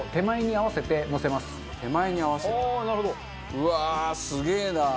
うわーすげえな。